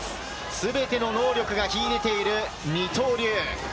すべての能力が秀でている二刀流。